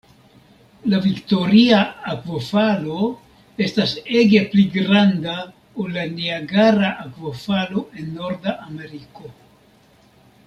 La Viktoria-akvofalo estas ege pli granda ol la Niagara Akvofalo en Norda Ameriko.